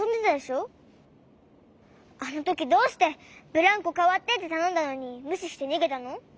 あのときどうして「ブランコかわって」ってたのんだのにむししてにげたの？